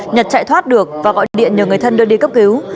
nhật chạy thoát được và gọi điện nhờ người thân đưa đi cấp cứu